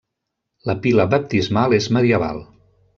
La pila baptismal és medieval.